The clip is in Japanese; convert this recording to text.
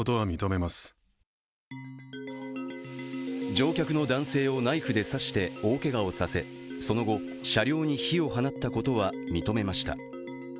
乗客の男性をナイフで刺して大けがをさせ、その後、車両に火を放ったことは認めました。